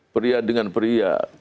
pria dengan pria